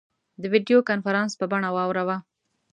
د ویډیو کنفرانس په بڼه واوراوه.